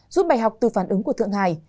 giúp bày học từ phản ứng của thượng hải